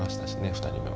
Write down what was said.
２人目は。